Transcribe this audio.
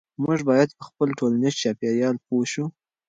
موږ باید په خپل ټولنیز چاپیریال پوه شو.